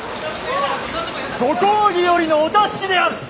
ご公儀よりのお達しである！